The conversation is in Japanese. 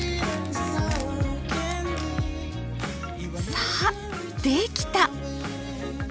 さあできた！